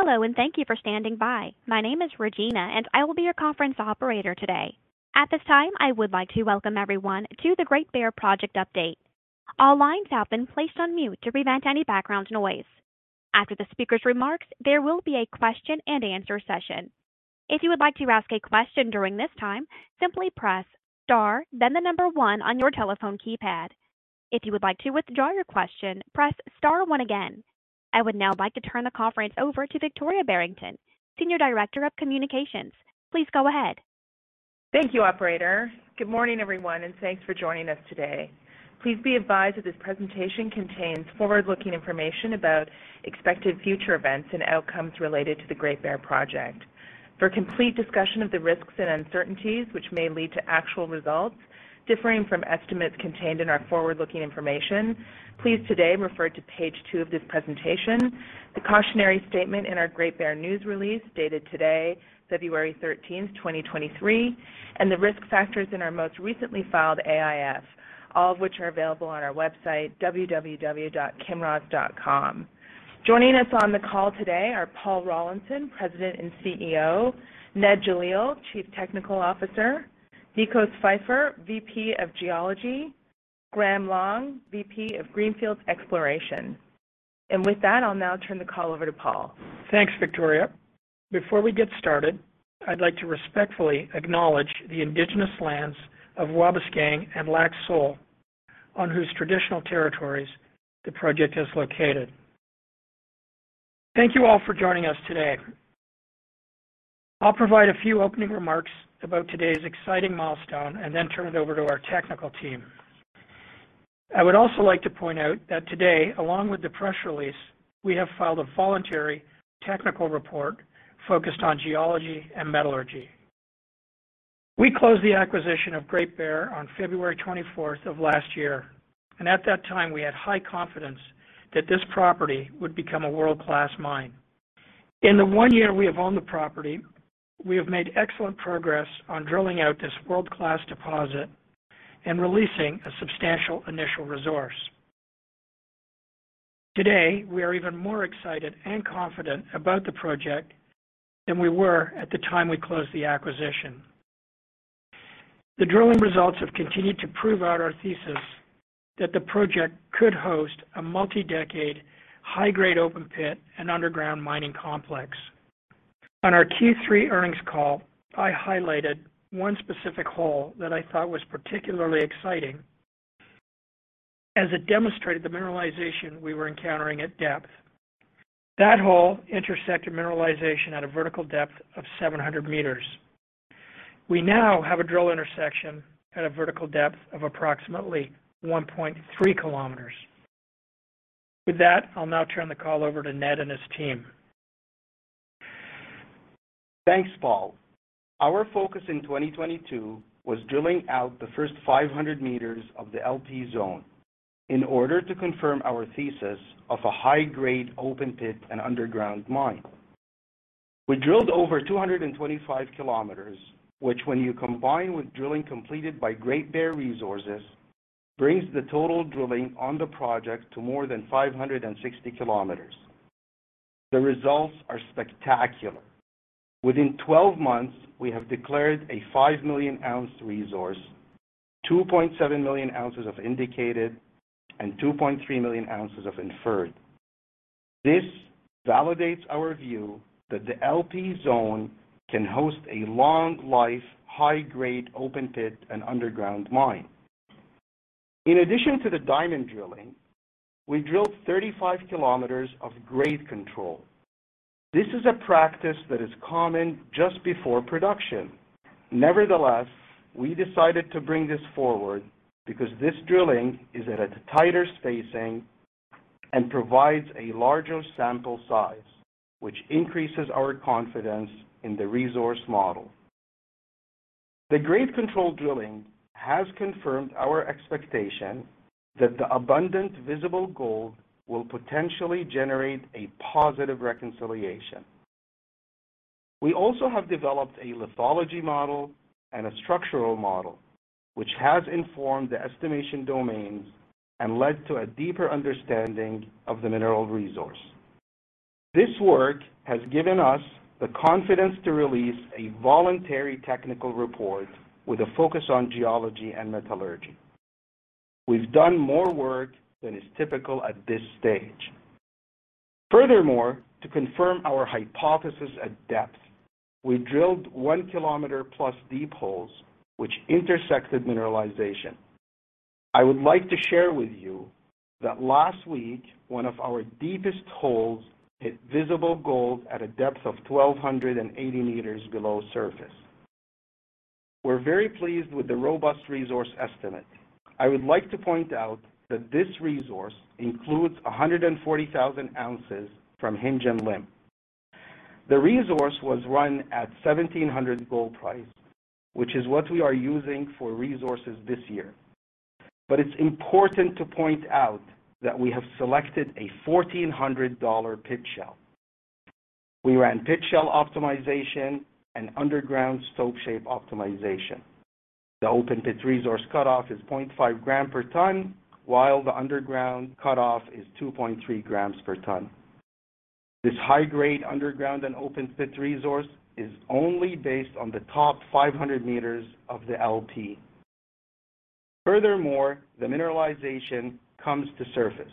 Hello, thank you for standing by. My name is Regina, and I will be your conference operator today. At this time, I would like to welcome everyone to the Great Bear Project update. All lines have been placed on mute to prevent any background noise. After the speaker's remarks, there will be a question and answer session. If you would like to ask a question during this time, simply press star, then the number one on your telephone keypad. If you would like to withdraw your question, press star one again. I would now like to turn the conference over to Victoria Barrington, Senior Director of Communications. Please go ahead. Thank you, operator. Good morning, everyone, thanks for joining us today. Please be advised that this presentation contains forward-looking information about expected future events and outcomes related to the Great Bear Project. For complete discussion of the risks and uncertainties which may lead to actual results differing from estimates contained in our forward-looking information, please today refer to page two of this presentation, the cautionary statement in our Great Bear news release dated today, February 13th, 2023, and the risk factors in our most recently filed AIF, all of which are available on our website, kinross.com. Joining us on the call today are Paul Rollinson, President and CEO, Ned Jalil, Chief Technical Officer, Nicos Pfeiffer, VP of Geology, Graham Long, VP of Greenfield Exploration. With that, I'll now turn the call over to Paul. Thanks, Victoria. Before we get started, I'd like to respectfully acknowledge the indigenous lands of Wabauskang and Lac Seul, on whose traditional territories the project is located. Thank you all for joining us today. I'll provide a few opening remarks about today's exciting milestone and then turn it over to our technical team. I would also like to point out that today, along with the press release, we have filed a voluntary technical report focused on geology and metallurgy. We closed the acquisition of Great Bear on February 24th of last year, and at that time, we had high confidence that this property would become a world-class mine. In the 1 year we have owned the property, we have made excellent progress on drilling out this world-class deposit and releasing a substantial initial resource. Today, we are even more excited and confident about the project than we were at the time we closed the acquisition. The drilling results have continued to prove out our thesis that the project could host a multi-decade, high-grade open pit and underground mining complex. On our Q3 Earnings Call, I highlighted one specific hole that I thought was particularly exciting as it demonstrated the mineralization we were encountering at depth. That hole intersected mineralization at a vertical depth of 700 meters. We now have a drill intersection at a vertical depth of approximately 1.3 km. With that, I'll now turn the call over to Ned and his team. Thanks, Paul. Our focus in 2022 was drilling out the first 500 m of the LP zone in order to confirm our thesis of a high-grade open pit and underground mine. We drilled over 225 km, which when you combine with drilling completed by Great Bear Resources, brings the total drilling on the project to more than 560 km. The results are spectacular. Within 12 months, we have declared a 5 million ounce resource, 2.7 million ounces of indicated, and 2.3 million ounces of inferred. This validates our view that the LP zone can host a long life, high-grade open pit and underground mine. In addition to the diamond drilling, we drilled 35 km of grade control. This is a practice that is common just before production. Nevertheless, we decided to bring this forward because this drilling is at a tighter spacing and provides a larger sample size, which increases our confidence in the resource model. The grade control drilling has confirmed our expectation that the abundant visible gold will potentially generate a positive reconciliation. We also have developed a lithology model and a structural model, which has informed the estimation domains and led to a deeper understanding of the mineral resource. This work has given us the confidence to release a voluntary technical report with a focus on geology and metallurgy. We've done more work than is typical at this stage. Furthermore, to confirm our hypothesis at depth, we drilled 1 kilometer plus deep holes which intersected mineralization. I would like to share with you that last week, one of our deepest holes hit visible gold at a depth of 1,280 meters below surface. We're very pleased with the robust resource estimate. I would like to point out that this resource includes 140,000 ounces from Hinge and Limb. The resource was run at $1,700 gold price, which is what we are using for resources this year. It's important to point out that we have selected a $1,400 pit shell. We ran pit shell optimization and underground stope shape optimization. The open pit resource cutoff is 0.5 gram per ton, while the underground cutoff is 2.3 grams per ton. This high grade underground and open pit resource is only based on the top 500 meters of the LP. The mineralization comes to surface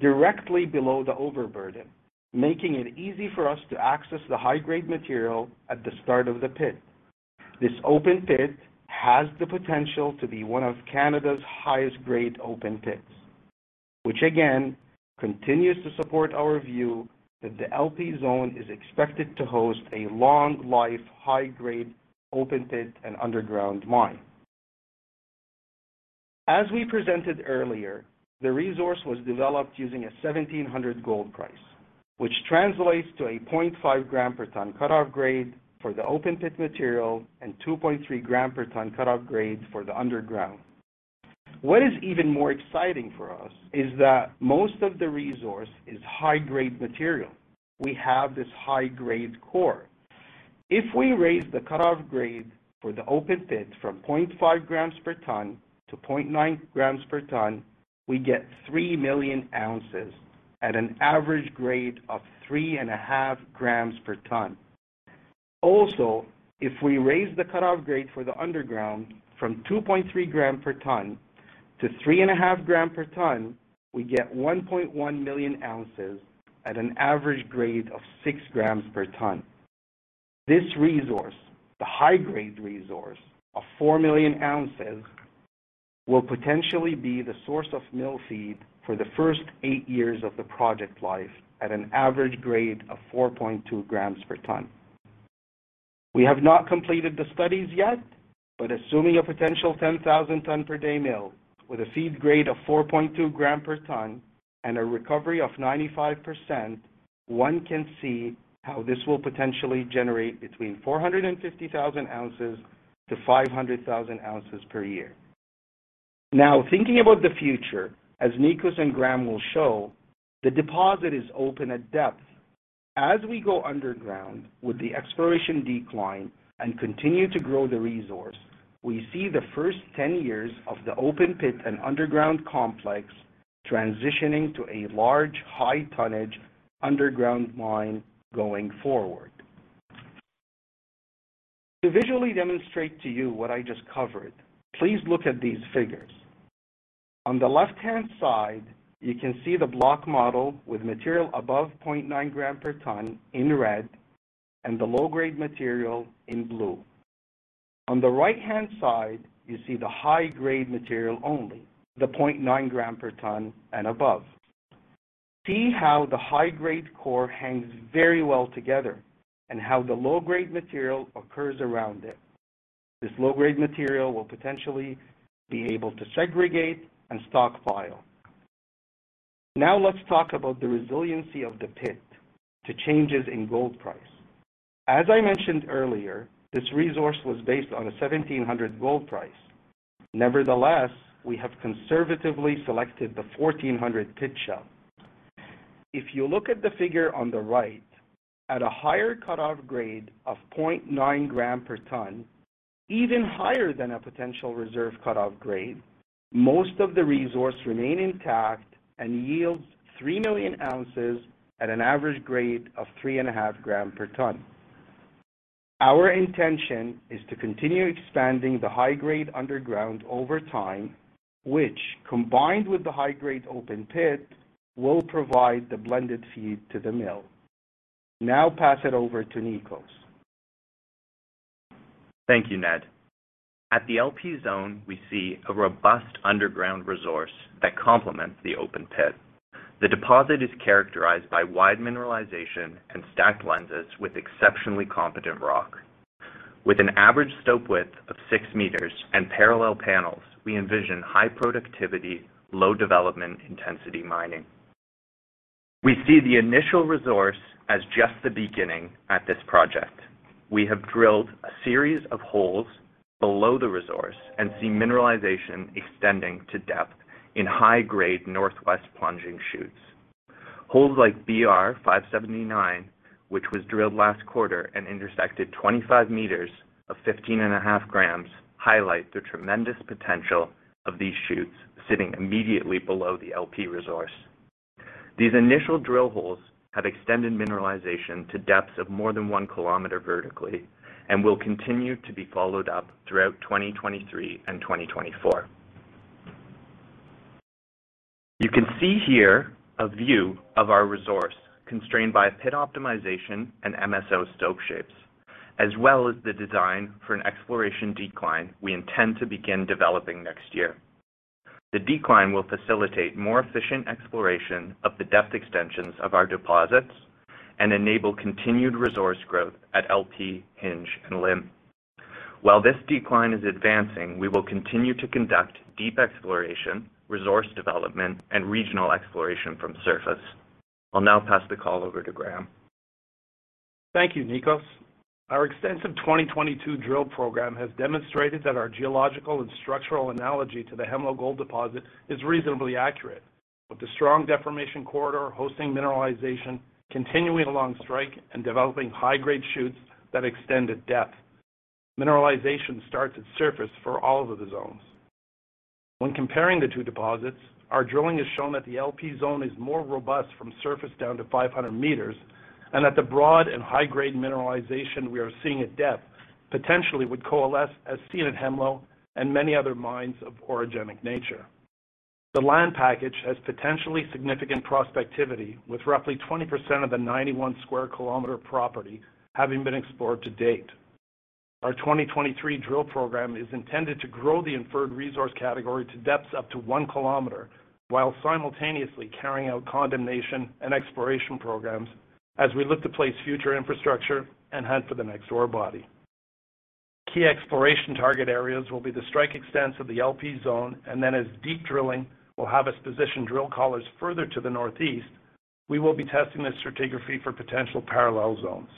directly below the overburden, making it easy for us to access the high-grade material at the start of the pit. This open pit has the potential to be one of Canada's highest-grade open pits, which again continues to support our view that the LP zone is expected to host a long-life, high-grade open pit, and underground mine. As we presented earlier, the resource was developed using a $1,700 gold price, which translates to a 0.5 gram per ton cut-off grade for the open pit material and 2.3 gram per ton cut-off grade for the underground. What is even more exciting for us is that most of the resource is high-grade material. We have this high-grade core. If we raise the cutoff grade for the open pit from 0.5 grams per ton to 0.9 grams per ton, we get 3 million ounces at an average grade of 3.5 grams per ton. If we raise the cutoff grade for the underground from 2.3 grams per ton to 3.5 grams per ton, we get 1.1 million ounces at an average grade of 6 grams per ton. This resource, the high-grade resource of 4 million ounces, will potentially be the source of mill feed for the first 8 years of the project life at an average grade of 4.2 grams per ton. We have not completed the studies yet. Assuming a potential 10,000 ton per day mill with a feed grade of 4.2 gram per ton and a recovery of 95%, one can see how this will potentially generate between 450,000-500,000 ounces per year. Thinking about the future, as Nicos and Graham will show, the deposit is open at depth. We go underground with the exploration decline and continue to grow the resource, we see the first 10 years of the open pit and underground complex transitioning to a large, high tonnage underground mine going forward. To visually demonstrate to you what I just covered, please look at these figures. On the left-hand side, you can see the block model with material above 0.9 gram per ton in red and the low-grade material in blue. On the right-hand side, you see the high-grade material, only the 0.9 gram per ton and above. See how the high-grade core hangs very well together and how the low-grade material occurs around it. This low-grade material will potentially be able to segregate and stockpile. Let's talk about the resiliency of the pit to changes in gold price. As I mentioned earlier, this resource was based on a $1,700 gold price. Nevertheless, we have conservatively selected the $1,400 pit shell. If you look at the figure on the right, at a higher cutoff grade of 0.9 gram per ton, even higher than a potential reserve cutoff grade, most of the resource remain intact and yields 3 million ounces at an average grade of three and a half gram per ton. Our intention is to continue expanding the high-grade underground over time, which, combined with the high-grade open pit, will provide the blended feed to the mill. Now pass it over to Nicos. Thank you Ned. At the LP zone, we see a robust underground resource that complements the open pit. The deposit is characterized by wide mineralization and stacked lenses with exceptionally competent rock. With an average stope width of 6 meters and parallel panels, we envision high productivity, low development intensity mining. We see the initial resource as just the beginning at this project. We have drilled a series of holes below the resource and see mineralization extending to depth in high-grade northwest plunging shoots. Holes like BR-579, which was drilled last quarter and intersected 25 m of 15.5 gm, highlight the tremendous potential of these shoots sitting immediately below the LP resource. These initial drill holes have extended mineralization to depths of more than 1 kilometer vertically and will continue to be followed up throughout 2023 and 2024. You can see here a view of our resource constrained by pit optimization and MSO stope shapes, as well as the design for an exploration decline we intend to begin developing next year. The decline will facilitate more efficient exploration of the depth extensions of our deposits and enable continued resource growth at LP, Hinge, and Limb. While this decline is advancing, we will continue to conduct deep exploration, resource development, and regional exploration from surface. I'll now pass the call over to Graham. Thank you, Nicos. Our extensive 2022 drill program has demonstrated that our geological and structural analogy to the Hemlo gold deposit is reasonably accurate. With the strong deformation corridor hosting mineralization continuing along strike and developing high-grade shoots that extend at depth. Mineralization starts at surface for all of the zones. When comparing the two deposits, our drilling has shown that the LP zone is more robust from surface down to 500 meters, and that the broad and high-grade mineralization we are seeing at depth potentially would coalesce as seen at Hemlo and many other mines of orogenic nature. The land package has potentially significant prospectivity, with roughly 20% of the 91 sq km property having been explored to date. Our 2023 drill program is intended to grow the inferred resource category to depths up to 1 km while simultaneously carrying out condemnation and exploration programs as we look to place future infrastructure and hunt for the next ore body. Key exploration target areas will be the strike extents of the LP zone, and then as deep drilling will have us position drill collars further to the northeast, we will be testing the stratigraphy for potential parallel zones.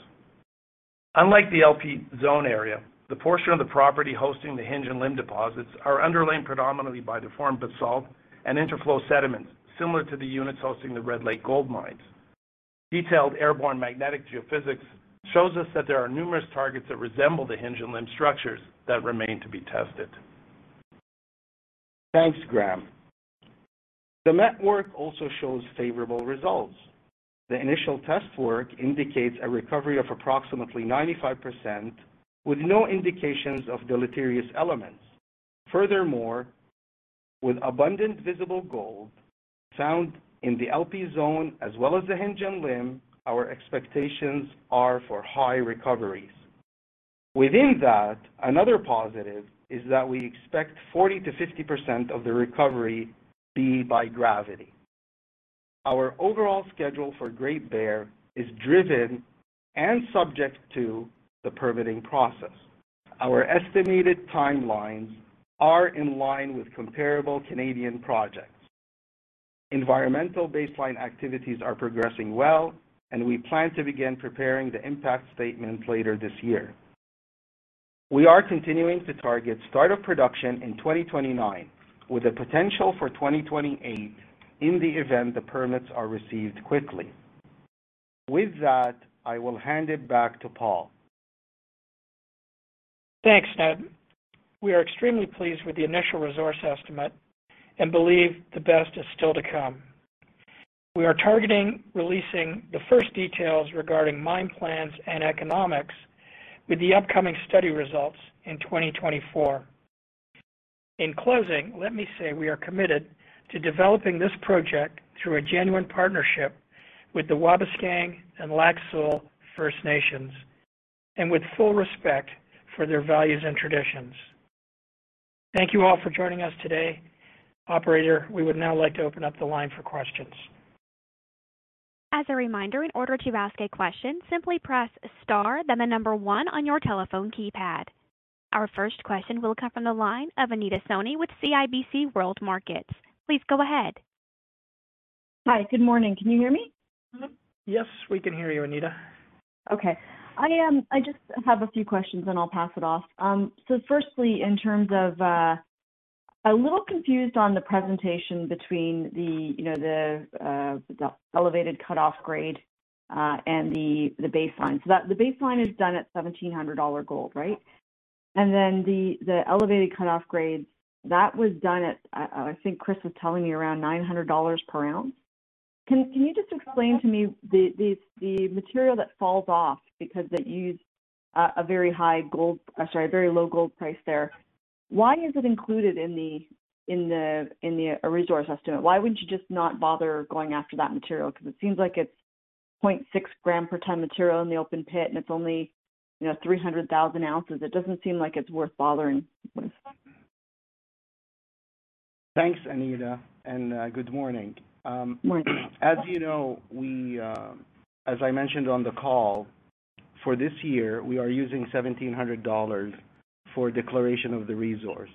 Unlike the LP zone area, the portion of the property hosting the Hinge and Limb deposits are underlain predominantly by deformed basalt and interflow sediments similar to the units hosting the Red Lake gold mines. Detailed airborne magnetic geophysics shows us that there are numerous targets that resemble the Hinge and Limb structures that remain to be tested. Thanks, Graham. The network also shows favorable results. The initial test work indicates a recovery of approximately 95%, with no indications of deleterious elements. With abundant visible gold found in the LP zone as well as the Hinge and Limb, our expectations are for high recoveries. Within that, another positive is that we expect 40%-50% of the recovery be by gravity. Our overall schedule for Great Bear is driven and subject to the permitting process. Our estimated timelines are in line with comparable Canadian projects. Environmental baseline activities are progressing well, and we plan to begin preparing the impact statement later this year. We are continuing to target start of production in 2029, with the potential for 2028 in the event the permits are received quickly. With that, I will hand it back to Paul. Thanks, Ned. We are extremely pleased with the initial resource estimate and believe the best is still to come. We are targeting releasing the first details regarding mine plans and economics with the upcoming study results in 2024. In closing, let me say we are committed to developing this project through a genuine partnership with the Wabauskang and Lac Seul First Nations, and with full respect for their values and traditions. Thank you all for joining us today. Operator, we would now like to open up the line for questions. As a reminder, in order to ask a question, simply press star then the number one on your telephone keypad. Our first question will come from the line of Anita Soni with CIBC World Markets. Please go ahead. Hi, good morning. Can you hear me? Mm-hmm. Yes, we can hear you, Anita. Okay. I just have a few questions, then I'll pass it off. Firstly, in terms of, a little confused on the presentation between the, you know, the elevated cutoff grade, and the baseline. That the baseline is done at $1,700 gold, right? The elevated cutoff grade, that was done at, I think Chris was telling me around $900 per ounce. Can you just explain to me the material that falls off because it used a very high gold. Sorry, a very low gold price there. Why is it included in the resource estimate? Why wouldn't you just not bother going after that material? It seems like it's 0.6 gram per ton material in the open pit, and it's only, you know, 300,000 ounces. It doesn't seem like it's worth bothering with. Thanks, Anita, good morning. Morning. As you know, we, as I mentioned on the call, for this year, we are using $1,700 for declaration of the resource.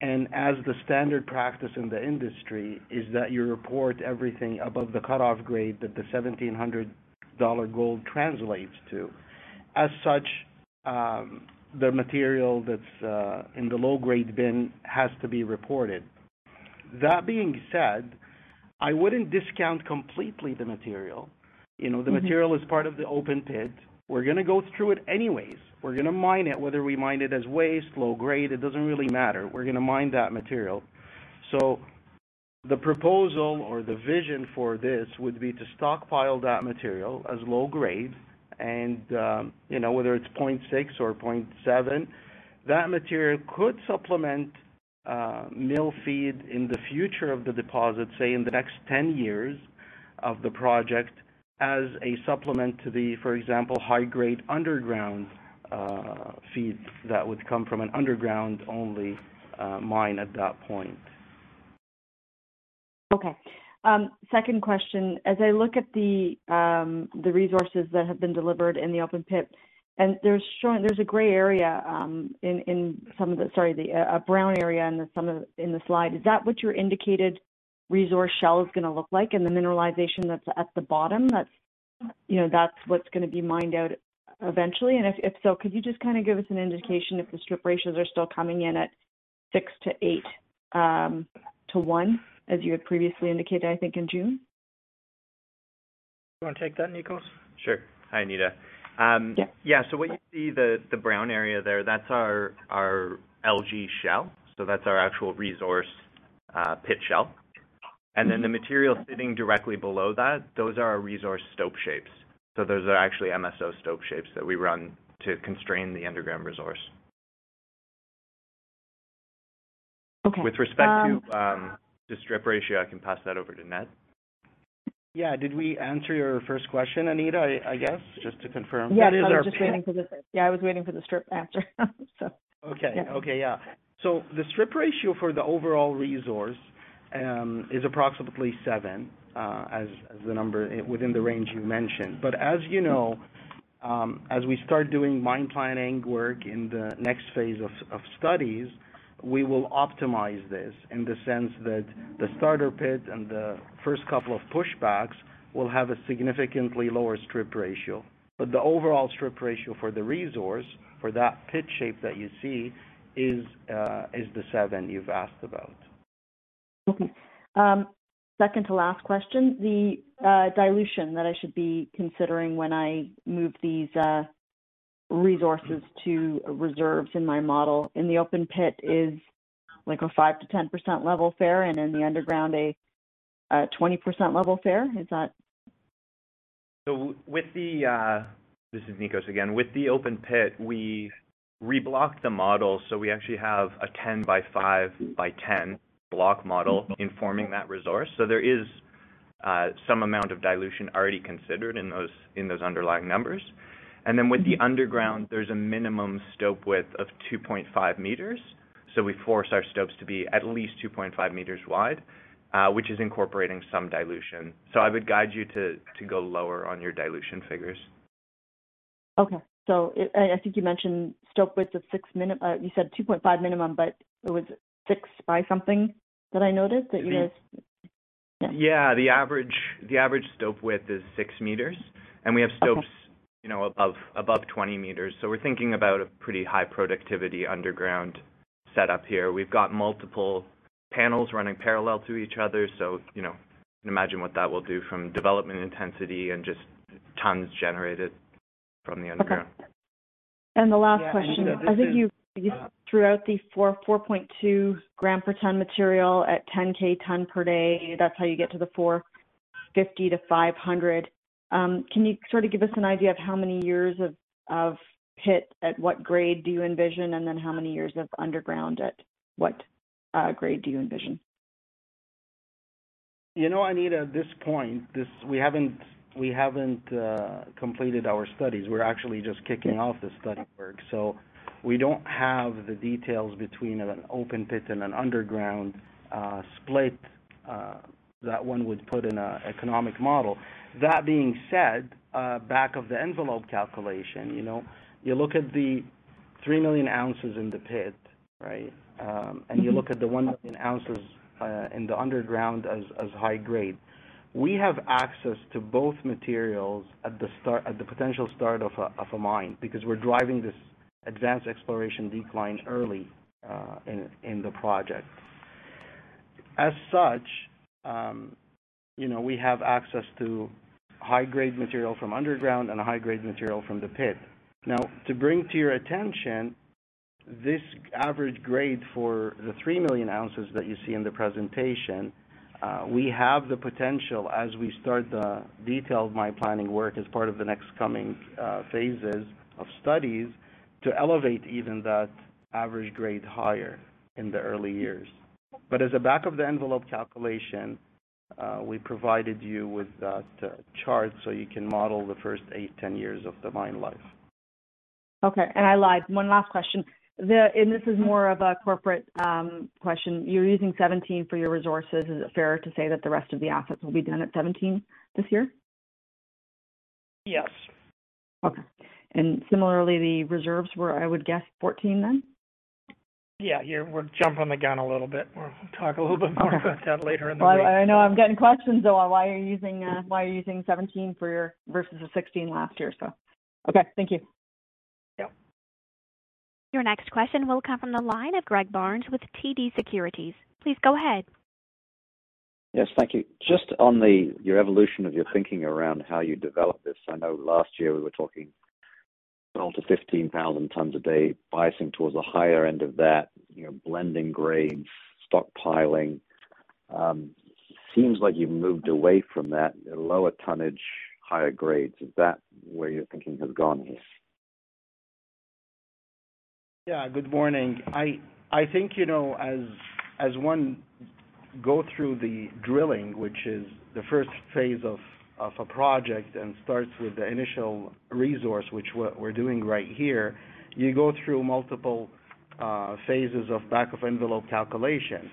As the standard practice in the industry is that you report everything above the cutoff grade that the $1,700 gold translates to. The material that's in the low grade bin has to be reported. That being said, I wouldn't discount completely the material. You know Mm-hmm. The material is part of the open pit. We're gonna go through it anyways. We're gonna mine it, whether we mine it as waste, low grade, it doesn't really matter. We're gonna mine that material. The proposal or the vision for this would be to stockpile that material as low grade and, you know, whether it's 0.6% or 0.7%, that material could supplement mill feed in the future of the deposit, say in the next 10 years of the project as a supplement to the, for example, high grade underground feeds that would come from an underground-only mine at that point. Okay. Second question. As I look at the resources that have been delivered in the open pit, there's shown there's a gray area, Sorry, the a brown area in the some of the, in the slide. Is that what your indicated resource shell is gonna look like in the mineralization that's at the bottom that's You know, that's what's gonna be mined out eventually? If so, could you just kinda give us an indication if the strip ratios are still coming in at 6%-8% to 1%, as you had previously indicated, I think in June? You wanna take that, Nicos? Sure. Hi, Anita. Yeah. Yeah. What you see the brown area there, that's our LG shell, so that's our actual resource pit shell. The material sitting directly below that, those are our resource stope shapes. Those are actually MSO stope shapes that we run to constrain the underground resource. Okay. With respect to the strip ratio, I can pass that over to Ned. Yeah. Did we answer your first question, Anita, I guess, just to confirm? Yes, I was just waiting for. That is our pit. Yeah, I was waiting for the strip after. So. Okay, yeah. The strip ratio for the overall resource is approximately 7% as the number within the range you mentioned. As you know, as we start doing mine planning work in the next phase of studies, we will optimize this in the sense that the starter pit and the first couple of push backs will have a significantly lower strip ratio. The overall strip ratio for the resource for that pit shape that you see is the 7% you've asked about. Okay. second to last question. The dilution that I should be considering when I move these resources to reserves in my model in the open pit is a 5%-10% level fair, and in the underground, a 20% level fair. Is that. This is Nicos again. With the open pit, we reblocked the model, we actually have a 10x5x10 block model informing that resource. There is some amount of dilution already considered in those underlying numbers. With the underground, there's a minimum stope width of 2.5 m, we force our stopes to be at least 2.5 m wide, which is incorporating some dilution. I would guide you to go lower on your dilution figures. I think you mentioned stope width of 6 m, you said 2.5 m minimum, but it was 6 m by something that I noticed that you guys. Mm-hmm. Yeah. Yeah. The average stope width is six meters. Okay. We have stopes, you know, above 20 m. We're thinking about a pretty high productivity underground setup here. We've got multiple panels running parallel to each other, you know, you can imagine what that will do from development intensity and just tons generated from the underground. Okay. The last question. Yeah, Anita, this. I think you threw out the 4.2 gram per ton material at 10-K ton per day. That's how you get to the 450-500. Can you sort of give us an idea of how many years of pit, at what grade do you envision and then how many years of underground at what grade do you envision? You know, Anita, at this point, we haven't completed our studies. We're actually just kicking off the study work. We don't have the details between an open pit and an underground split that one would put in a economic model. That being said, back of the envelope calculation, you know, you look at the 3 million ounces in the pit, right? Mm-hmm. You look at the 1 million ounces in the underground as high grade. We have access to both materials at the start, at the potential start of a mine, because we're driving this advanced exploration decline early in the project. As such, you know, we have access to high grade material from underground and a high grade material from the pit. To bring to your attention this average grade for the 3 million ounces that you see in the presentation, we have the potential as we start the detailed mine planning work as part of the next coming phases of studies to elevate even that average grade higher in the early years. As a back of the envelope calculation, we provided you with that chart so you can model the first eight, 10 years of the mine life. Okay. I lied, one last question. This is more of a corporate question. You're using 17% for your resources. Is it fair to say that the rest of the assets will be done at 17 this year? Yes. Okay. Similarly, the reserves were, I would guess, 14 then? Yeah, we're jumping the gun a little bit. We'll talk a little bit more about that later in the week. Well, I know. I'm getting questions on why you're using 17% for your, versus the 16% last year, so. Okay, thank you. Yep. Your next question will come from the line of Greg Barnes with TD Securities. Please go ahead. Yes, thank you. Just on the, your evolution of your thinking around how you develop this. I know last year we were talking 12,000-15,000 tons a day, biasing towards the higher end of that, you know, blending grade, stockpiling. Seems like you've moved away from that, lower tonnage, higher grades. Is that where your thinking has gone here? Yeah. Good morning. I think, you know, as one go through the drilling, which is the first phase of a project and starts with the initial resource which we're doing right here, you go through multiple phases of back-of-envelope calculation.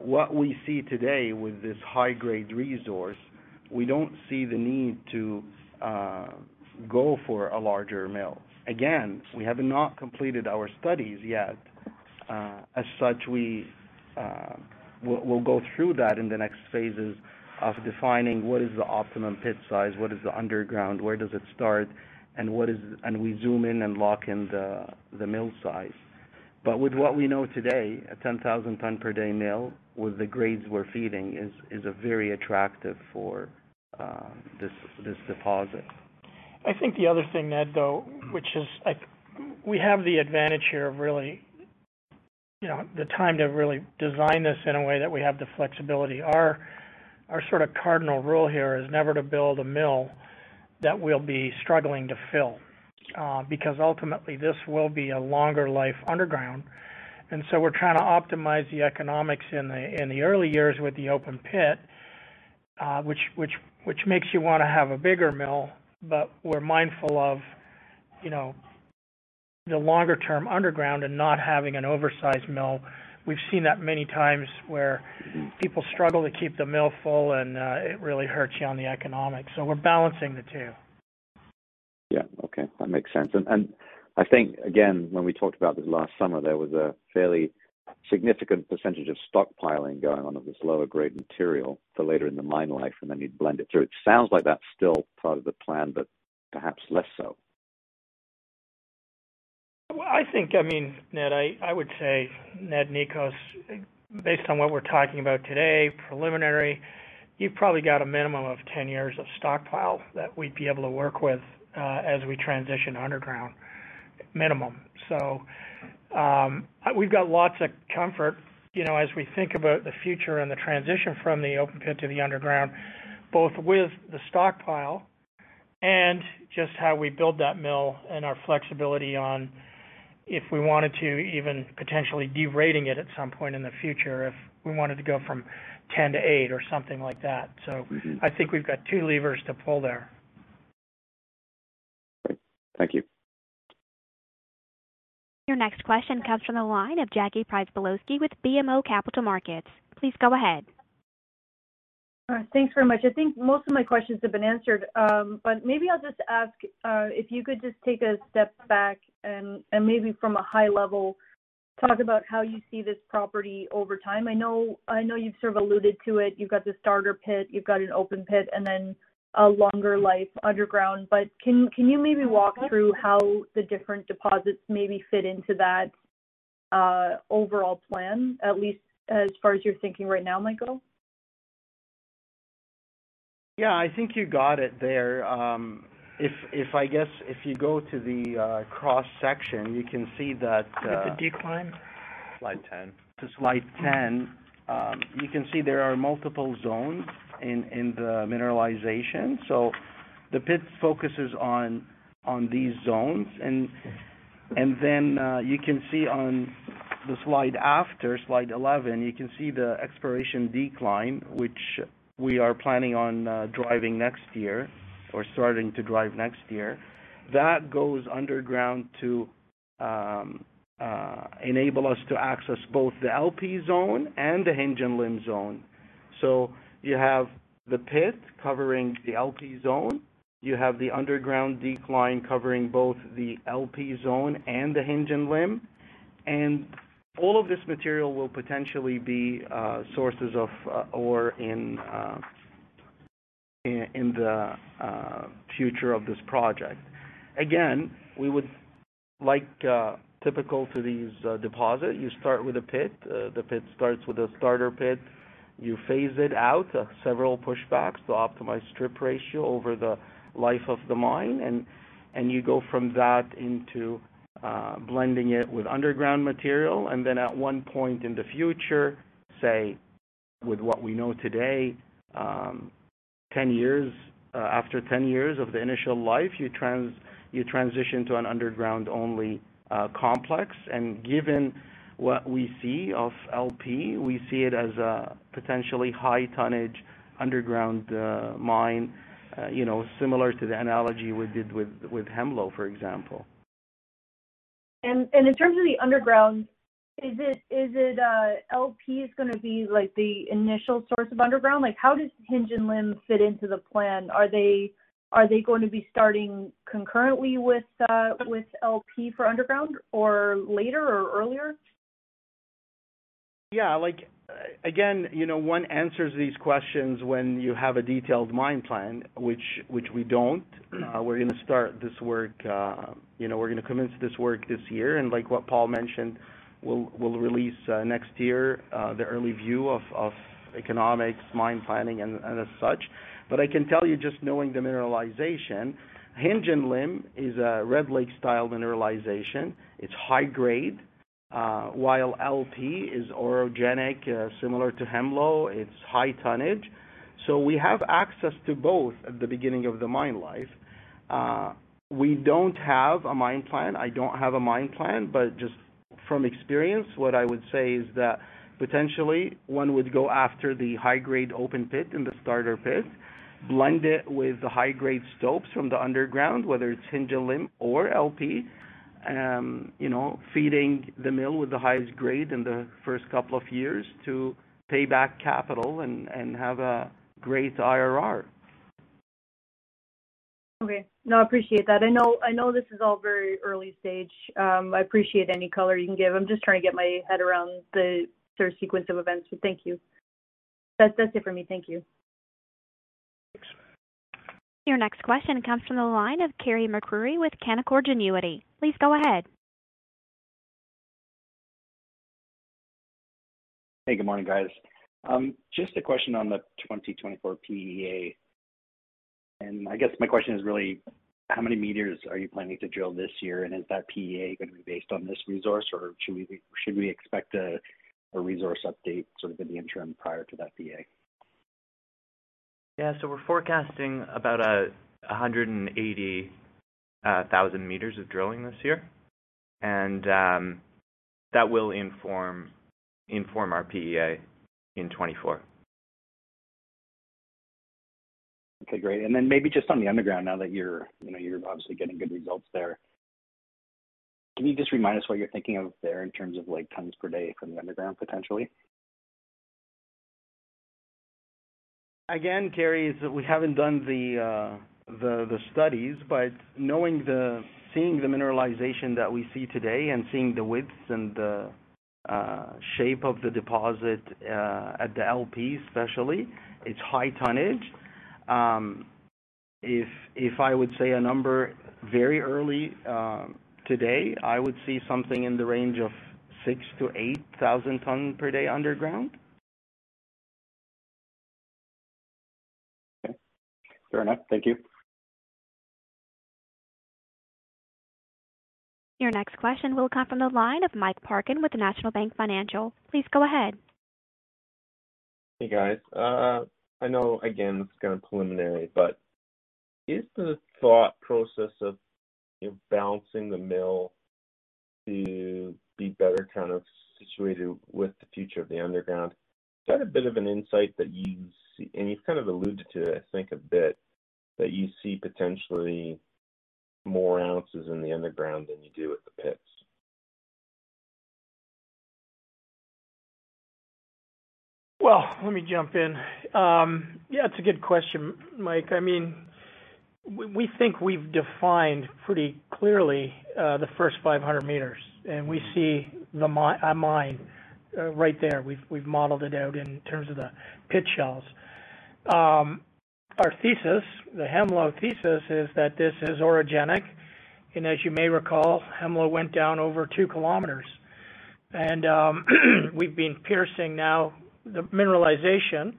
What we see today with this high-grade resource, we don't see the need to go for a larger mill. Again, we have not completed our studies yet. As such, we'll go through that in the next phases of defining what is the optimum pit size, what is the underground, where does it start, and we zoom in and lock in the mill size. With what we know today, a 10,000 ton per day mill, with the grades we're feeding is a very attractive for this deposit. I think the other thing, Ned, though, which is we have the advantage here of really, you know, the time to really design this in a way that we have the flexibility. Our sort of cardinal rule here is never to build a mill that we'll be struggling to fill, because ultimately, this will be a longer life underground. We're trying to optimize the economics in the early years with the open pit, which makes you wanna have a bigger mill, but we're mindful of, you know, the longer term underground and not having an oversized mill. We've seen that many times where people struggle to keep the mill full and it really hurts you on the economics. We're balancing the two. Yeah. Okay. That makes sense. I think, again, when we talked about this last summer, there was a fairly significant percentage of stockpiling going on of this lower grade material for later in the mine life. Then you'd blend it through. It sounds like that's still part of the plan, but perhaps less so. Well, I think, I mean, Ned, I would say, Ned, Nicos, based on what we're talking about today, preliminary, you've probably got a minimum of 10 years of stockpile that we'd be able to work with, as we transition underground, minimum. We've got lots of comfort, you know, as we think about the future and the transition from the open pit to the underground, both with the stockpile and just how we build that mill and our flexibility on if we wanted to even potentially derating it at some point in the future if we wanted to go from 10-eight years or something like that. Mm-hmm. I think we've got two levers to pull there. Great. Thank you. Your next question comes from the line of Jackie Przybylowski with BMO Capital Markets. Please go ahead. Thanks very much. I think most of my questions have been answered. Maybe I'll just ask, if you could just take a step back and maybe from a high level, talk about how you see this property over time. I know you've sort of alluded to it. You've got the starter pit, you've got an open pit, and then a longer life underground. Can you maybe walk through how the different deposits maybe fit into that, overall plan, at least as far as you're thinking right now, Ned? Yeah, I think you got it there. If I guess, if you go to the cross-section, you can see that, With the decline. Slide 10. To slide 10, you can see there are multiple zones in the mineralization. The pit focuses on these zones. You can see on the slide after, slide 11, you can see the exploration decline, which we are planning on driving next year or starting to drive next year. That goes underground to enable us to access both the LP zone and the Hinge and Limb zone. You have the pit covering the LP zone. You have the underground decline covering both the LP zone and the Hinge and Limb. All of this material will potentially be sources of ore in the future of this project. Again, we would like, typical to these deposit, you start with a pit. The pit starts with a starter pit. You phase it out, several pushbacks to optimize strip ratio over the life of the mine. You go from that into blending it with underground material. Then at one point in the future, say, with what we know today, 10 years, after 10 years of the initial life, you transition to an underground-only complex. Given what we see of LP, we see it as a potentially high tonnage underground mine, you know, similar to the analogy we did with Hemlo, for example. In terms of the underground, is it LP is going to be, like, the initial source of underground? How does Hinge and Limb fit into the plan? Are they going to be starting concurrently with LP for underground or later or earlier? Yeah. Like, again, you know, one answers these questions when you have a detailed mine plan, which we don't. We're gonna start this work, you know, we're gonna commence this work this year. Like what Paul mentioned, we'll release next year the early view of economics, mine planning, and as such. I can tell you just knowing the mineralization, Hinge and Limb is a Red Lake style mineralization. It's high grade, while LP is orogenic, similar to Hemlo, it's high tonnage. We have access to both at the beginning of the mine life. We don't have a mine plan. I don't have a mine plan, but just from experience, what I would say is that potentially one would go after the high grade open pit in the starter pit, blend it with the high grade stopes from the underground, whether it's Hinge and Limb or LP, you know, feeding the mill with the highest grade in the first couple of years to pay back capital and have a great IRR. Okay. No, I appreciate that. I know, I know this is all very early stage. I appreciate any color you can give. I'm just trying to get my head around the sort of sequence of events. Thank you. That's, that's it for me. Thank you. Thanks. Your next question comes from the line of Carey MacRury with Canaccord Genuity. Please go ahead. Hey, good morning, guys. Just a question on the 2024 PEA. I guess my question is really how many meters are you planning to drill this year? Is that PEA gonna be based on this resource, or should we expect a resource update sort of in the interim prior to that PEA? Yeah. We're forecasting about 180,000 m of drilling this year, and that will inform our PEA in 2024. Okay, great. Maybe just on the underground, now that you're, you know, you're obviously getting good results there. Can you just remind us what you're thinking of there in terms of like tons per day from the underground, potentially? Again, Carey, is we haven't done the studies, but seeing the mineralization that we see today and seeing the widths and the shape of the deposit at the LP especially, it's high tonnage. If I would say a number very early today, I would see something in the range of 6,000-8,000 ton per day underground. Okay. Fair enough. Thank you. Your next question will come from the line of Mike Parkin with National Bank Financial. Please go ahead. Hey, guys. I know, again, this is kind of preliminary, but is the thought process of balancing the mill to be better kind of situated with the future of the underground? Is that a bit of an insight that you see, and you've kind of alluded to it, I think, a bit, that you see potentially more ounces in the underground than you do at the pits? Well, let me jump in. Yeah, it's a good question, Mike. I mean, we think we've defined pretty clearly the first 500 m, and we see a mine right there. We've modeled it out in terms of the pit shells. Our thesis, the Hemlo thesis is that this is orogenic. As you may recall, Hemlo went down over 2 km. We've been piercing now the mineralization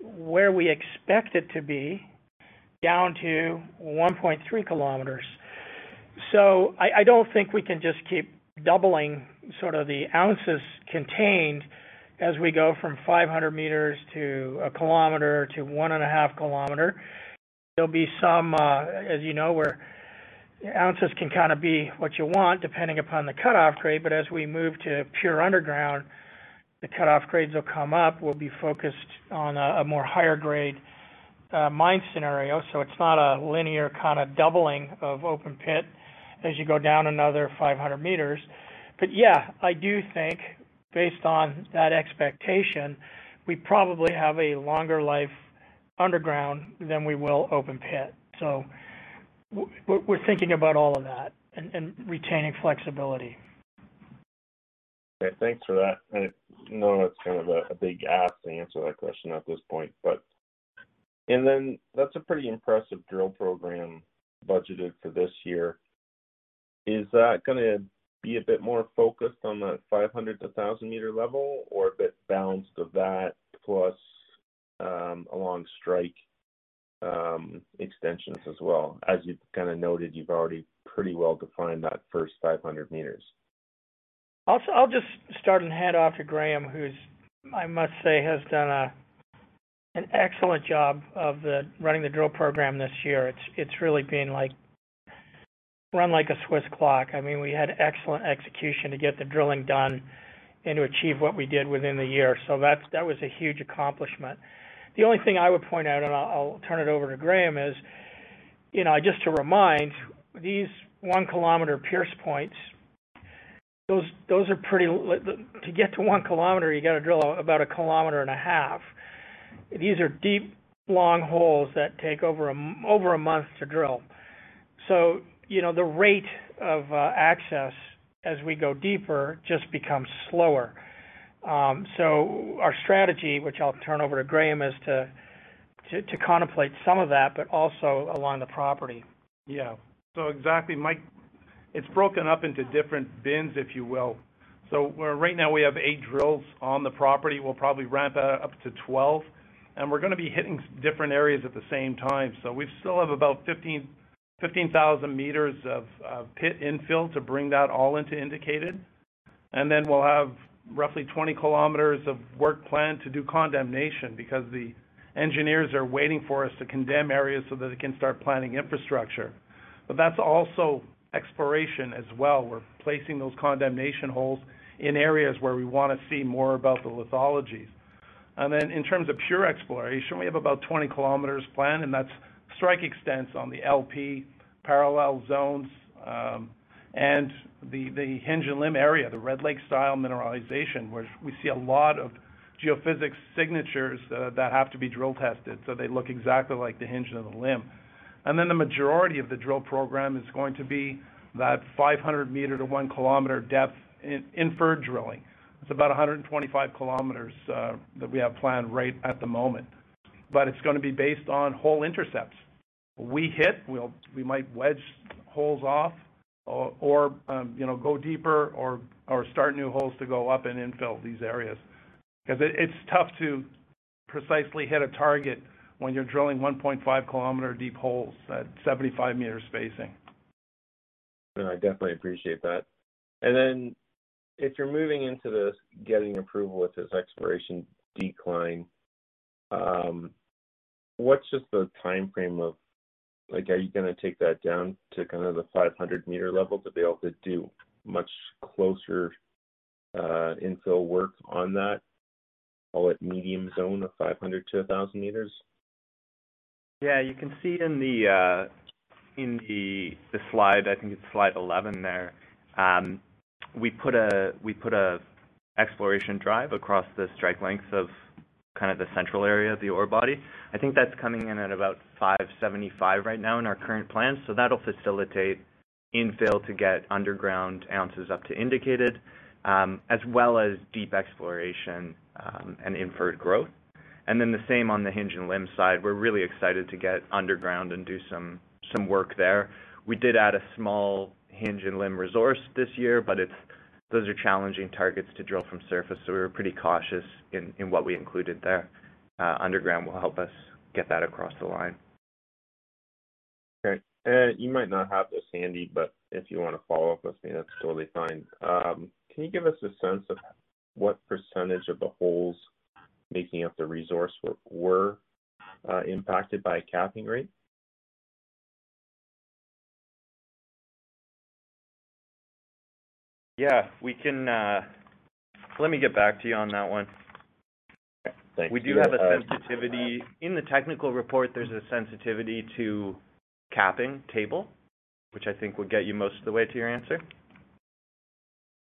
where we expect it to be down to 1.3 km. I don't think we can just keep doubling sort of the ounces contained as we go from 500 m to 1 km-1.5 km. There'll be some, as you know, where ounces can kinda be what you want depending upon the cutoff grade. As we move to pure underground, the cutoff grades will come up. We'll be focused on a more higher grade mine scenario. It's not a linear kinda doubling of open pit as you go down another 500 m. Yeah, I do think based on that expectation, we probably have a longer life underground than we will open pit. We're thinking about all of that and retaining flexibility. Okay. Thanks for that. I know that's kind of a big ask to answer that question at this point, but. That's a pretty impressive drill program budgeted for this year. Is that gonna be a bit more focused on the 500-1,000-m level or a bit balanced of that plus along strike extensions as well? As you've kinda noted, you've already pretty well defined that first 500 m. I'll just start and hand off to Graham, who's. I must say, has done an excellent job of running the drill program this year. It's really been, like, run like a Swiss clock. I mean, we had excellent execution to get the drilling done and to achieve what we did within the year. That's, that was a huge accomplishment. The only thing I would point out, and I'll turn it over to Graham, is, you know, just to remind, these 1-kilometer pierce points, those are pretty. To get to 1 km, you gotta drill about a 1.5 km. These are deep, long holes that take over a month to drill. You know, the rate of access as we go deeper just becomes slower. Our strategy, which I'll turn over to Graham, is to contemplate some of that, but also along the property. Exactly, Mike. It's broken up into different bins, if you will. Right now, we have eight drills on the property. We'll probably ramp that up to 12, and we're gonna be hitting different areas at the same time. We still have about 15,000 m of pit infill to bring that all into indicated. Then we'll have roughly 20 km of work planned to do condemnation because the engineers are waiting for us to condemn areas so that they can start planning infrastructure. That's also exploration as well. We're placing those condemnation holes in areas where we wanna see more about the lithology. In terms of pure exploration, we have about 20 km planned, and that's strike extents on the LP parallel zones. The hinge and limb area, the Red Lake-style mineralization, where we see a lot of geophysics signatures, that have to be drill tested, so they look exactly like the hinge and the limb. The majority of the drill program is going to be that 500 m-1 km depth in infer drilling. It's about 125 km that we have planned right at the moment, but it's gonna be based on whole intercepts. We hit, we might wedge holes off or, you know, go deeper or start new holes to go up and infill these areas. It's tough to precisely hit a target when you're drilling 1.5 km deep holes at 75 m spacing. I definitely appreciate that. If you're moving into this getting approval with this exploration decline, what's just the timeframe? Are you gonna take that down to kind of the 500 m level to be able to do much closer infill work on that, call it medium zone of 500-1,000 m? You can see in the, in the slide, I think it's slide 11 there, we put a exploration drive across the strike lengths of kind of the central area of the ore body. I think that's coming in at about 575 m right now in our current plan. That'll facilitate infill to get underground ounces up to indicated, as well as deep exploration, and inferred growth. The same on the hinge and limb side. We're really excited to get underground and do some work there. We did add a small hinge and limb resource this year. Those are challenging targets to drill from surface, we were pretty cautious in what we included there. Underground will help us get that across the line. Okay. You might not have this handy, but if you wanna follow up with me, that's totally fine. Can you give us a sense of what percentage of the holes making up the resource were impacted by a capping rate? Yeah. We can, let me get back to you on that one. Okay. Thank you. We do have a sensitivity. In the technical report, there's a sensitivity to capping table, which I think will get you most of the way to your answer.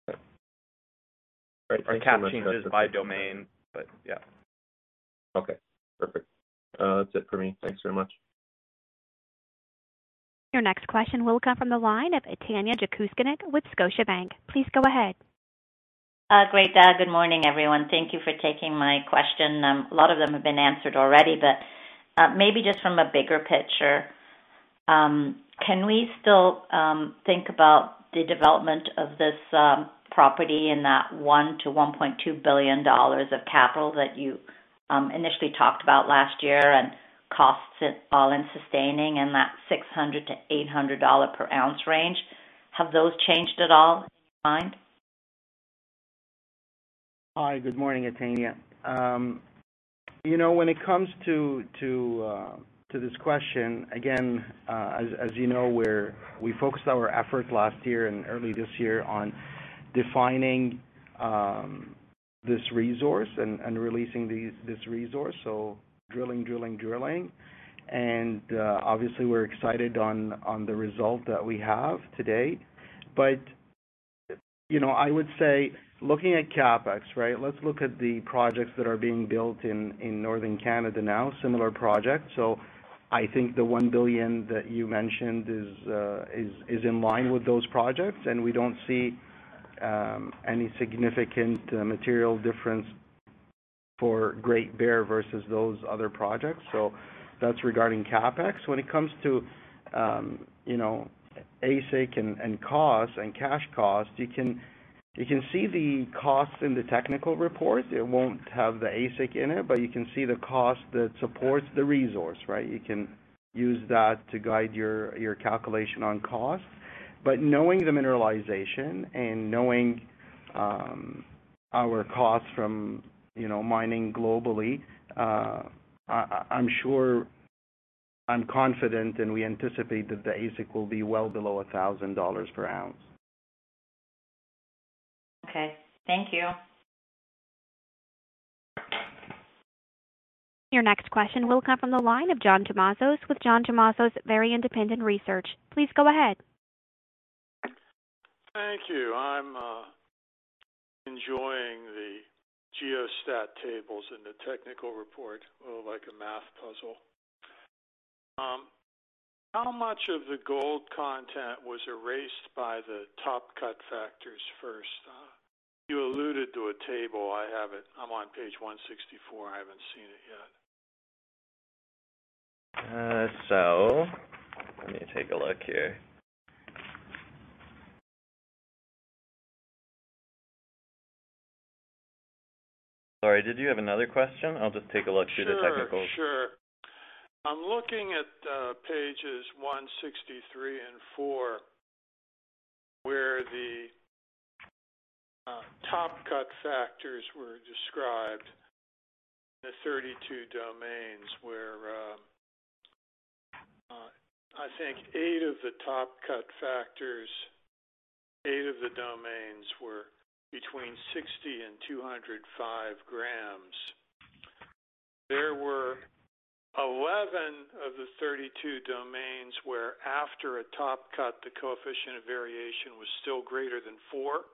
Okay. Our CapEx changes by domain, but yeah. Okay, perfect. That's it for me. Thanks very much. Your next question will come from the line of Tanya Jakusconek with Scotiabank. Please go ahead. Great. Good morning, everyone. Thank you for taking my question. A lot of them have been answered already, but maybe just from a bigger picture, can we still think about the development of this property in that $1 billion-$1.2 billion of capital that you initially talked about last year and costs it all in sustaining in that $600-$800 per ounce range? Have those changed at all in your mind? Hi, good morning, Tanya. you know, when it comes to this question, again, as you know, we focused our effort last year and early this year on defining this resource and releasing this resource. Drilling. Obviously we're excited on the result that we have to date. you know, I would say looking at CapEx, right? Let's look at the projects that are being built in northern Canada now, similar projects. I think the $1 billion that you mentioned is in line with those projects, and we don't see any significant material difference for Great Bear versus those other projects. That's regarding CapEx. When it comes to, you know, AISC and cost and cash cost, you can see the cost in the technical report. It won't have the AISC in it, but you can see the cost that supports the resource, right? You can use that to guide your calculation on cost. Knowing the mineralization and knowing, our costs from, you know, mining globally, I'm confident and we anticipate that the AISC will be well below $1,000 per ounce. Okay. Thank you. Your next question will come from the line of John Tumazos with John Tumazos Very Independent Research. Please go ahead. Thank you. I'm enjoying the geostatistical tables in the technical report, a little like a math puzzle. How much of the gold content was erased by the top cut factors first? You alluded to a table. I have it. I'm on page 164. I haven't seen it yet. Let me take a look here. Sorry, did you have another question? I'll just take a look through the technical. Sure, sure. I'm looking at pages 163 and four, where the top cut factors were described, the 32 domains where, I think eight of the top cut factors, eight of the domains were between 60 and 205 gm. There were 11 of the 32 domains where after a top cut, the coefficient of variation was still greater than four.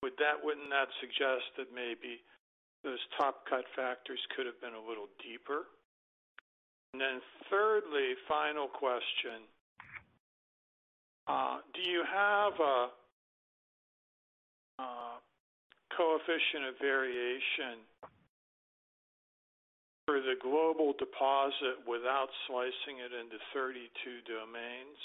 Wouldn't that suggest that maybe those top cut factors could have been a little deeper? Thirdly, final question. Do you have a coefficient of variation for the global deposit without slicing it into 32 domains?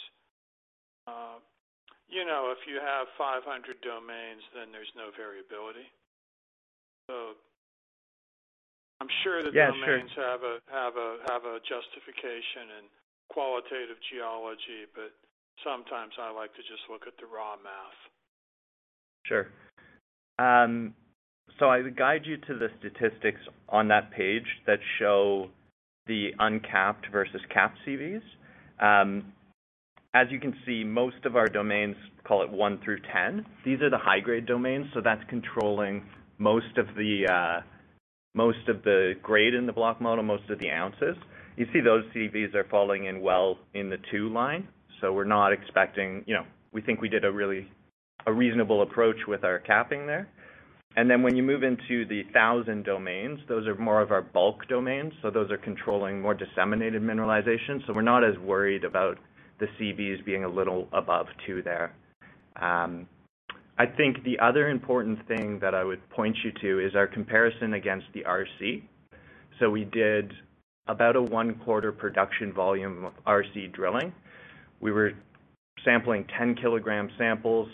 You know, if you have 500 domains, then there's no variability. I'm sure the. Yeah, sure. Domains have a justification in qualitative geology. Sometimes I like to just look at the raw math. Sure. I would guide you to the statistics on that page that show the uncapped versus capped CVs. As you can see, most of our domains, call it 1 through 10, these are the high-grade domains, that's controlling most of the most of the grade in the block model, most of the ounces. You see those CVs are falling in well in the two line. We're not expecting, you know, we think we did a really, a reasonable approach with our capping there. When you move into the 1,000 domains, those are more of our bulk domains. Those are controlling more disseminated mineralization. We're not as worried about the CVs being a little above two there. I think the other important thing that I would point you to is our comparison against the RC. We did about a one-quarter production volume of RC drilling. We were sampling 10-kg samples,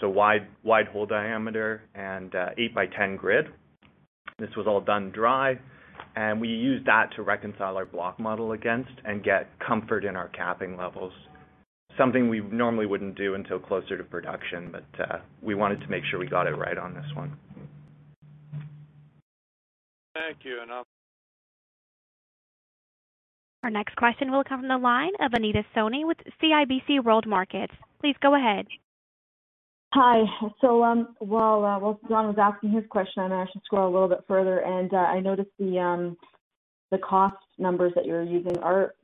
so wide hole diameter and 8x10 grid. This was all done dry, and we used that to reconcile our block model against and get comfort in our capping levels. Something we normally wouldn't do until closer to production, but we wanted to make sure we got it right on this one. Thank you. Our next question will come from the line of Anita Soni with CIBC World Markets. Please go ahead. Hi. While, while John was asking his question, I managed to scroll a little bit further, and, I noticed the cost numbers that you're using.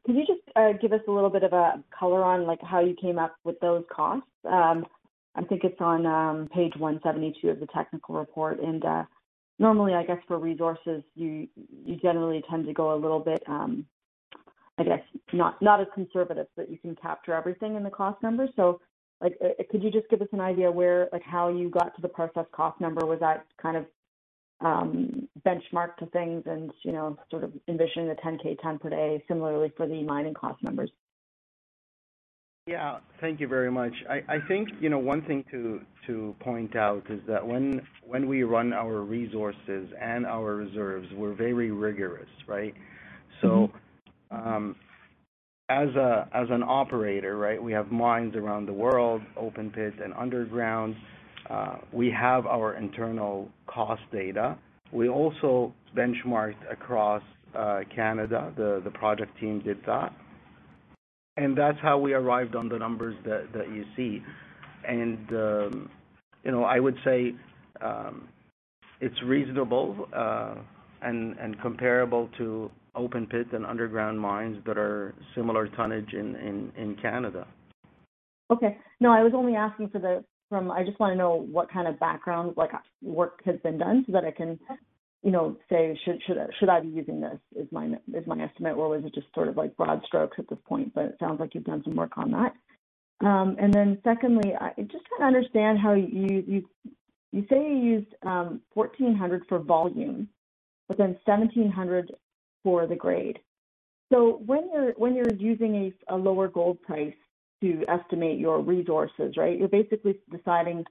Could you just give us a little bit of a color on, like, how you came up with those costs? I think it's on page 172 of the technical report. Normally, I guess for resources, you generally tend to go a little bit, I guess not as conservative, so that you can capture everything in the cost numbers. Like, could you just give us an idea where, like how you got to the process cost number? Was that kind of benchmarked to things and, you know, sort of envision the 10K ton per day similarly for the mining cost numbers? Yeah. Thank you very much. I think, you know, one thing to point out is that when we run our resources and our reserves, we're very rigorous, right? Mm-hmm. As an operator, right, we have mines around the world, open pit and underground. We have our internal cost data. We also benchmarked across Canada. The project team did that. That's how we arrived on the numbers that you see. You know, I would say it's reasonable and comparable to open pit and underground mines that are similar tonnage in Canada. Okay. No, I was only asking. From, I just wanna know what kind of background, like, work has been done so that I can, you know, say should I be using this as my, as my estimate, or is it just sort of like broad strokes at this point? It sounds like you've done some work on that. Secondly, I just wanna understand how you say you used $1,400 for volume, but then $1,700 for the grade. When you're using a lower gold price to estimate your resources, right? You're basically deciding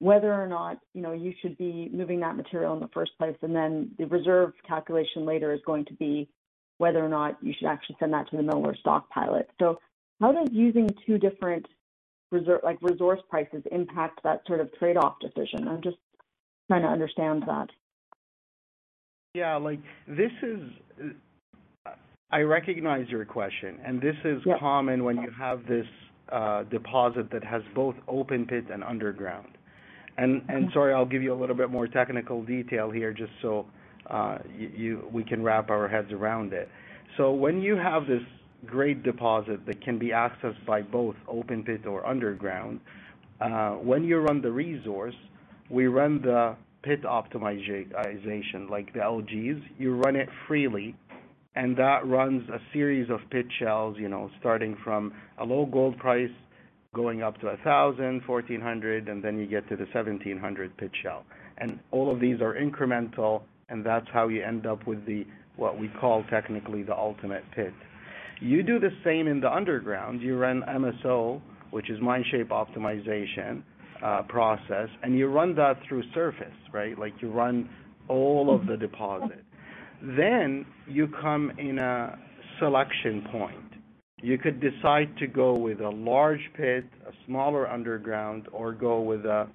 whether or not, you know, you should be moving that material in the first place, and then the reserve calculation later is going to be whether or not you should actually send that to the Miller stock pilot. How does using two different like resource prices impact that sort of trade-off decision? I'm just trying to understand that. Yeah. Like, this is, I recognize your question, and this is. Yep. Common when you have this, deposit that has both open pit and underground. Mm-hmm. Sorry, I'll give you a little bit more technical detail here just so we can wrap our heads around it. When you have this grade deposit that can be accessed by both open pit or underground, when you run the resource, we run the pit optimization, like the LGs. You run it freely, and that runs a series of pit shells, you know, starting from a low gold price going up to $1,000, $1,400, and then you get to the $1,700 pit shell. All of these are incremental, and that's how you end up with the, what we call technically the ultimate pit. You do the same in the underground. You run MSO, which is Mineable Shape Optimiser process, and you run that through surface, right? Like, you run all of the deposit. You come in a selection point. You could decide to go with a large pit, a smaller underground, or go with a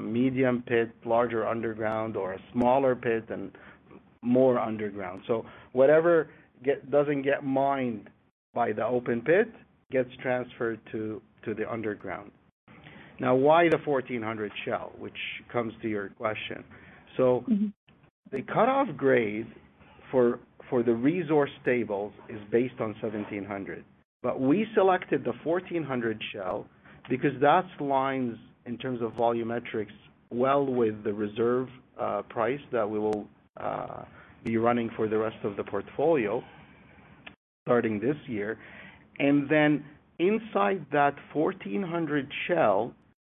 medium pit, larger underground or a smaller pit and more underground. Whatever doesn't get mined by the open pit gets transferred to the underground. Why the 1,400 shell? Which comes to your question. The cutoff grade for the resource tables is based on $1,700. We selected the $1,400 shell because that's lines in terms of volumetrics well with the reserve price that we will be running for the rest of the portfolio starting this year. Inside that $1,400 shell,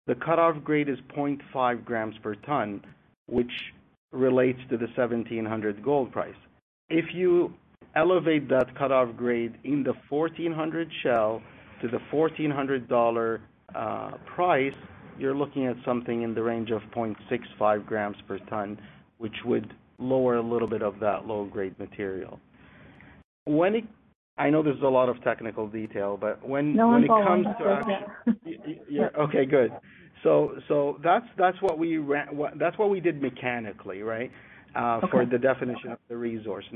the cutoff grade is 0.5 grams per ton, which relates to the $1,700 gold price. If you elevate that cutoff grade in the $1,400 shell to the $1,400 price, you're looking at something in the range of 0.65 grams per ton, which would lower a little bit of that low-grade material. I know there's a lot of technical detail, but when it comes to actually. No, I'm following. Yeah. Okay, good. That's what we did mechanically, right? Okay. For the definition of the resource.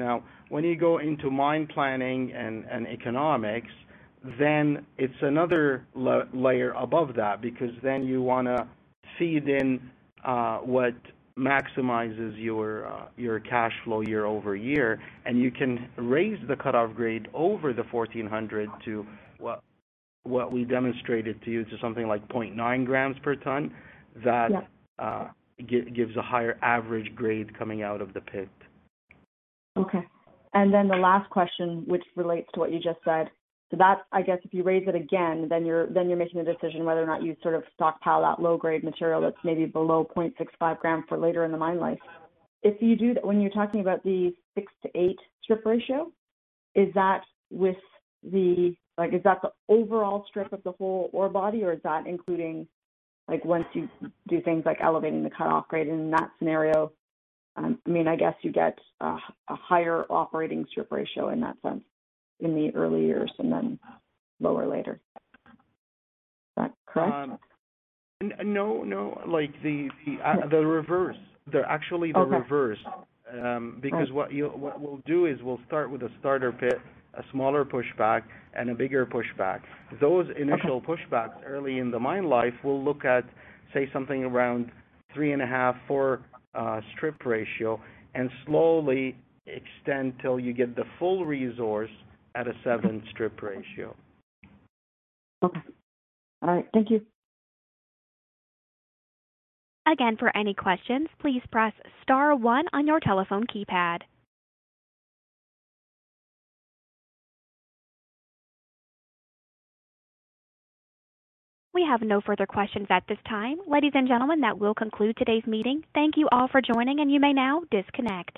When you go into mine planning and economics, then it's another layer above that because then you wanna feed in what maximizes your cash flow year-over-year. You can raise the cutoff grade over the $1,400 to what we demonstrated to you, to something like 0.9 grams per ton. Yeah. That gives a higher average grade coming out of the pit. Okay. The last question, which relates to what you just said. That's, I guess, if you raise it again, then you're making a decision whether or not you sort of stockpile that low-grade material that's maybe below 0.65 gm for later in the mine life. If you do that, when you're talking about the 6%-8% strip ratio, is that with the like, is that the overall strip of the whole ore body or is that including, like, once you do things like elevating the cutoff grade in that scenario? I mean, I guess you get a higher operating strip ratio in that sense in the early years and then lower later. Is that correct? No, no. Like, the reverse. They're actually the reverse. Okay. What we'll do is we'll start with a starter pit, a smaller pushback and a bigger pushback. Those initial pushbacks early in the mine life will look at, say something around 3.5, 4 strip ratio and slowly extend till you get the full resource at a 7 strip ratio. Okay. All right. Thank you. Again, for any questions, please press star one on your telephone keypad. We have no further questions at this time. Ladies and gentlemen, that will conclude today's meeting. Thank you all for joining, and you may now disconnect.